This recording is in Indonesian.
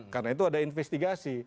karena itu ada investigasi